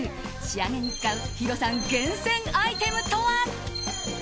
仕上げに使うヒロさん厳選アイテムとは？